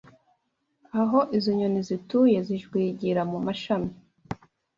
aho izo nyoni zituye zijwigira mu mashami